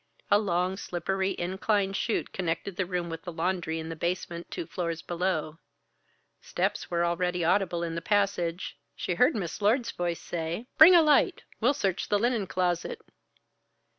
A long, slippery, inclined chute connected the room with the laundry in the basement two floors below. Steps were already audible in the passage. She heard Miss Lord's voice say: "Bring a light! We'll search the linen closet."